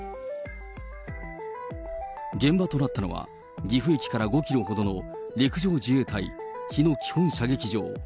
現場となったのは、岐阜駅から５キロほどの陸上自衛隊日野基本射撃場。